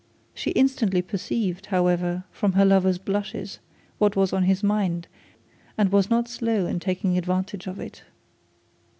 She instantly perceived, however, from her lover's blushes, what was on his mind, and was not slow in taking advantage of it.